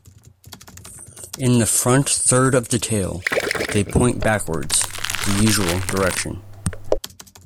In the front third of the tail, they point backwards, the usual direction.